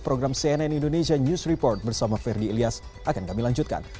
program cnn indonesia news report bersama ferdi ilyas akan kami lanjutkan